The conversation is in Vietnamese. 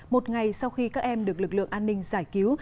một ngày sau khi các em được lực lượng an ninh giải cứu